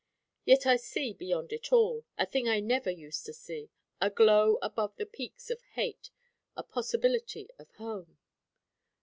Yet I see beyond it all, a thing I never used to see, a glow above the peaks of hate, a possibility of home.